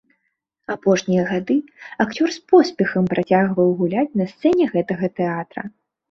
Апошнія гады акцёр з поспехам працягваў гуляць на сцэне гэтага тэатра.